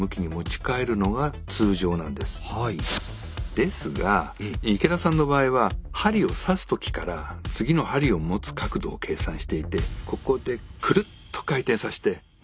ですが池田さんの場合は針を刺す時から次の針を持つ角度を計算していてここでくるっと回転させて持ち替えるんですね。